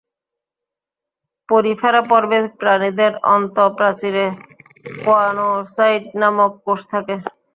Porifera পর্বের প্রাণীদের অন্তঃপ্রাচীরে কোয়ানোসাইট নামক কোষ থাকে।